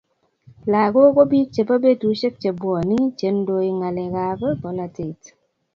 Lagok ko biik chebo betusiek chebwone che ndoi ngalek ab bolatet